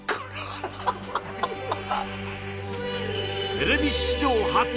テレビ史上初！？